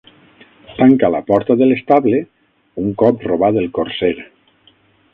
Tanca la porta de l'estable un cop robat el corser.